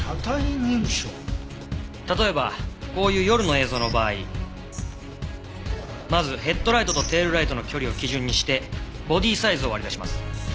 例えばこういう夜の映像の場合まずヘッドライトとテールライトの距離を基準にしてボディーサイズを割り出します。